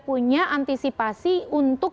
punya antisipasi untuk